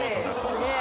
すげえ！